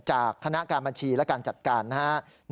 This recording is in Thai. จากคณะการบัญชีและการจัดการนะครับ